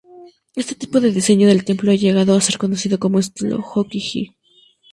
Este tipo de diseño del templo ha llegado a ser conocido como "estilo Hōki-ji".